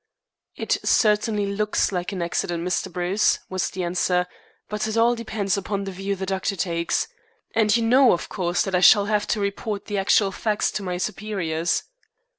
"It certainly looks like an accident, Mr. Bruce," was the answer, "but it all depends upon the view the doctor takes. And you know, of course, that I shall have to report the actual facts to my superiors."